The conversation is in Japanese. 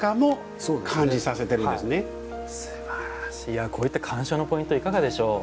いやこういった鑑賞のポイントいかがでしょう？